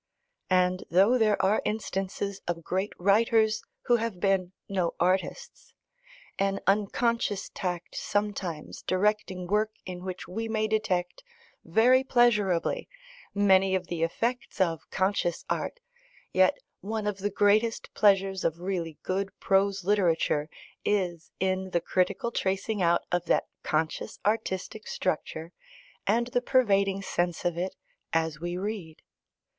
And though there are instances of great writers who have been no artists, an unconscious tact sometimes directing work in which we may detect, very pleasurably, many of the effects of conscious art, yet one of the greatest pleasures of really good prose literature is in the critical tracing out of that conscious artistic structure, and the pervading sense of it as we read.